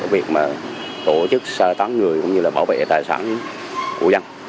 việc tổ chức sơ tán người cũng như bảo vệ tài sản của dân